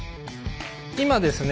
今ですね